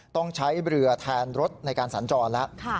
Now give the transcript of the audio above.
ต้องใช้เรือแทนรถในการสัญจรแล้ว